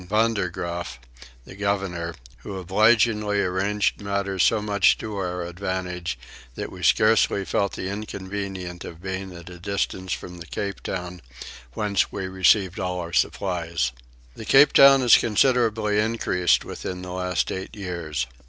Vander Graaf, the governor, who obligingly arranged matters so much to our advantage that we scarcely felt the inconvenience of being at a distance from the Cape Town, whence we received all our supplies. The Cape Town is considerably increased within the last eight years.